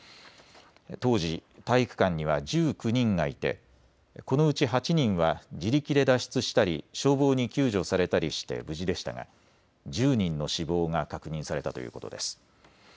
当時、体育館には１９人がいてこのうち８人は自力で脱出したり消防に救助されたりして無事でしたが１０人の死亡が確認されたということです。